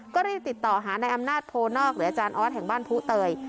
ก็รีบติดต่อหาในอำนาจโพนอกหรืออาจารย์ออสแห่งบ้านผู้เตย